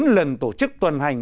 bốn lần tổ chức tuần hành